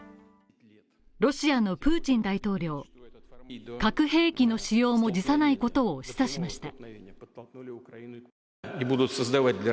ロシアのプーチン大統領核兵器の使用も辞さないことを示唆しました